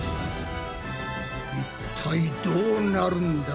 一体どうなるんだ？